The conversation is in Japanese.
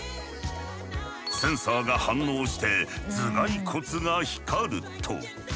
センサーが反応して頭蓋骨が光ると。